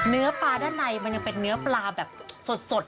เนื้อปลาด้านในมันยังเป็นเนื้อปลาแบบสด